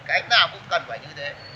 cái nào cũng cần phải như thế